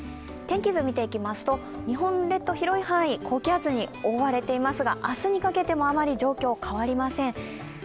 天気図見ていきますと、日本列島広い範囲、高気圧に覆われていますが明日にかけてもあまり状況は変わりません。